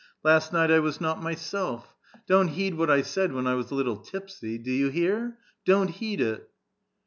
Last night I was not myself. Don't heed what I said when I was a little tipsy ; do you hear ? don't heed it